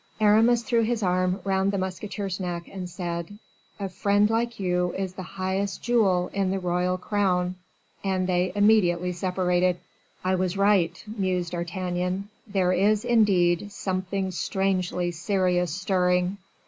Aramis threw his arm round the musketeer's neck, and said, "A friend like you is the brightest jewel in the royal crown." And they immediately separated. "I was right," mused D'Artagnan; "there is, indeed, something strangely serious stirring."